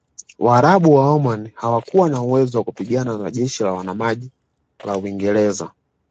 Waarabu wa Omani hawakuwa na uwezo wa kupingana na jeshi la wanamaji la Uingereza